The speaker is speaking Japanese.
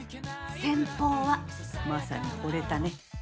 先方はマサにほれたね。